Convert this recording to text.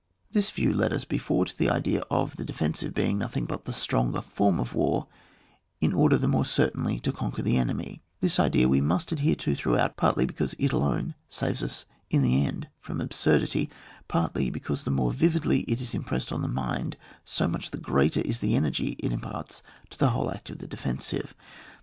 This view led us before to the idea of the defensive being nothing but the etronger form of war, in order the more certainly to conquer the enemy; this idea we must adhere to throughout, partly because it alone saves us in the end from absurdity, partly, because the more vividly it is impressed on the mind, so much the greater is the energy it imparts to the whole act of the defensive.